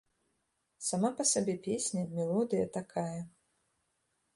Сама па сабе песня, мелодыя такая.